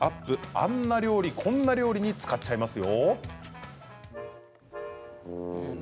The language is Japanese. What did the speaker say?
あんな料理、こんな料理に使っちゃえますよ。